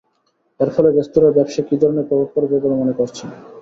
এর ফলে রেস্তোরাঁর ব্যবসায় কী ধরনের প্রভাব পড়বে বলে মনে করছেন?